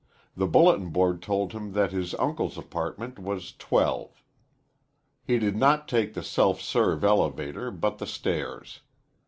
The bulletin board told him that his uncle's apartment was 12. He did not take the self serve elevator, but the stairs.